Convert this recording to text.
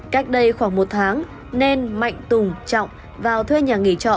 cách đây khoảng một tháng nên mạnh tùng trọng vào thuê nhà nghỉ trọ